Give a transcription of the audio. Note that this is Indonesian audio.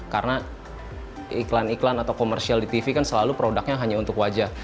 karena iklan iklan atau komersial di tv kan selalu produknya hanya untuk wajah